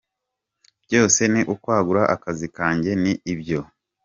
Byose ni ukwagura akazi kanjye, ni ibyo.